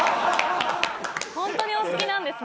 ホントにお好きなんですね。